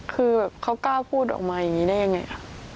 คือเขากล้าพูดออกมาอย่างนี้ได้ยังไงค่ะ